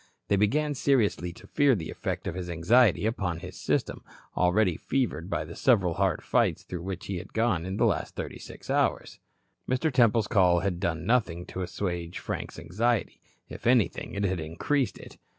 They began seriously to fear the effect of this anxiety upon his system, already fevered by the several hard fights through which he had gone in the last thirty six hours. Mr. Temple's call had done nothing to assuage Frank's anxiety. If anything it had increased it.